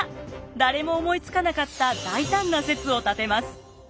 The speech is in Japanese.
誰も思いつかなかった大胆な説を立てます。